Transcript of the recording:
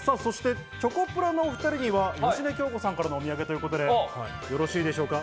チョコプラのお２人には芳根京子さんからのお土産ということでよろしいでしょうか？